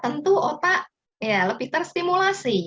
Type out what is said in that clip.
tentu otak lebih terstimulasi